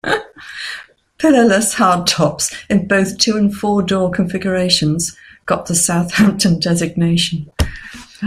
Pillarless hardtops, in both two and four door configurations, got the Southampton designation.